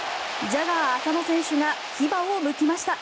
ジャガー、浅野選手が牙をむきました。